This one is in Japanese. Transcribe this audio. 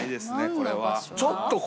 これは。